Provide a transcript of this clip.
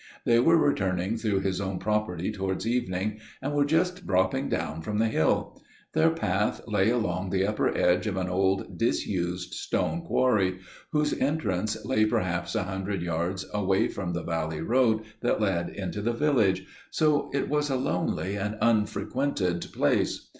They were returning through his own property towards evening, and were just dropping down from the hill. Their path lay along the upper edge of an old disused stone quarry, whose entrance lay perhaps a hundred yards away from the valley road that led into the village––so it was a lonely and unfrequented place.